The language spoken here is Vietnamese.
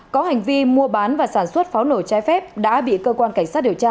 có hành vi mua bán và sản xuất pháo nổ trái phép đã bị cơ quan cảnh sát điều tra